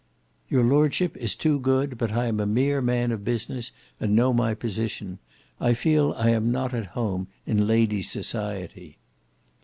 "Your lordship is too good, but I am a mere man of business and know my position. I feel I am not at home in ladies' society."